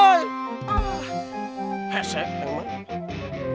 ah hesek emang